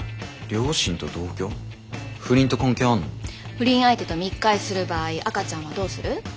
不倫相手と密会する場合赤ちゃんはどうする？